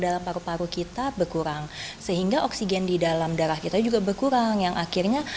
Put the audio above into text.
dalam paru paru kita berkurang sehingga oksigen di dalam darah kita juga berkurang yang akhirnya